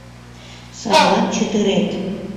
Садлан чытырет.